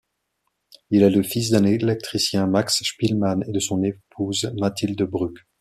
Il est le fils d'un électricien, Max Spielmann, et de son épouse Mathilde Brûck.